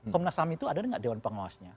komnas ham itu ada nggak dewan pengawasnya